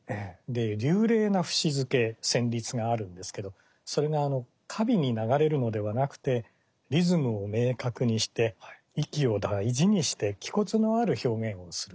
流麗な節付け旋律があるんですけどそれが華美に流れるのではなくてリズムを明確にして息を大事にして気骨のある表現をする。